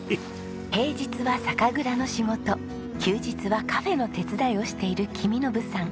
平日は酒蔵の仕事休日はカフェの手伝いをしている公伸さん。